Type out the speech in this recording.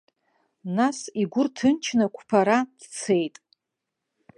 Нас игәы рҭынчны қәԥара дцеит.